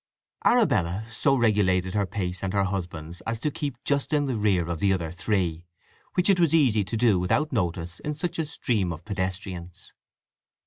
Arabella so regulated her pace and her husband's as to keep just in the rear of the other three, which it was easy to do without notice in such a stream of pedestrians.